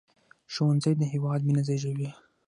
ښوونځی د هیواد مينه زیږوي